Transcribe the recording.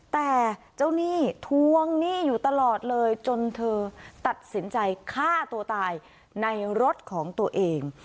แต่เจ้าหนี้ทวงหนี้อยู่ตลอดเลยจนเธอตัดสินใจฆ่าตัวตายในรถของตัวเอง